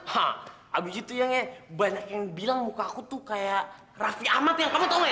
hah abis itu yang banyak yang bilang muka aku tuh kayak raffi ahmad yang kamu tau gak ya